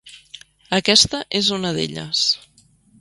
Aquesta és una d'elles.